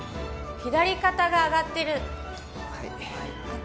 左肩が上がってるはいああ